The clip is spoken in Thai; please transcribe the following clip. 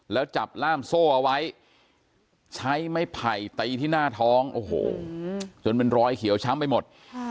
แล้วจับล่ามโซ่เอาไว้ใช้ไม้ไผ่ตีที่หน้าท้องโอ้โหจนเป็นรอยเขียวช้ำไปหมด